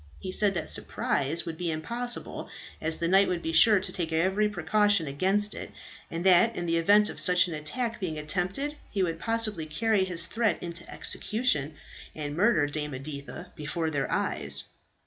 He said that surprise would be impossible, as the knight would be sure to take every precaution against it; and that in the event of such an attack being attempted, he would possibly carry his threat into execution, and murder Dame Editha before their eyes.